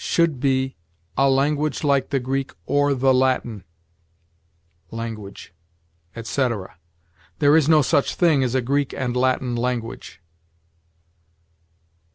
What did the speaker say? should be, "a language like the Greek or the Latin" (language), etc. There is no such thing as a Greek and Latin language.